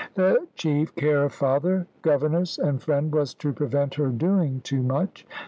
The chief care of father, governess, and friend, was to prevent her doing too much.